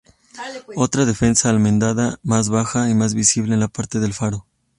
Otra defensa, almenada y más baja, es visible en la parte del faro.